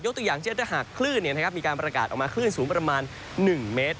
ยกตัวอย่างที่จะหากคลื่นเนี่ยนะครับมีการประกาศออกมาคลื่นสูงประมาณ๑เมตร